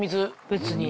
別に。